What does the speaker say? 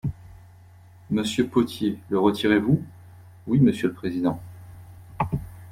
Monsieur Potier, le retirez-vous ? Oui, monsieur le président.